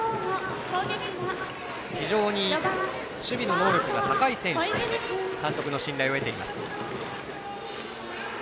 非常に守備の能力が高い選手として監督の信頼を得ています。